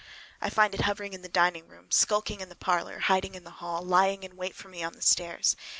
I find it hovering in the dining room, skulking in the parlor, hiding in the hall, lying in wait for me on the stairs.